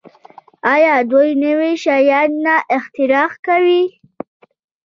آیا دوی نوي شیان نه اختراع کوي؟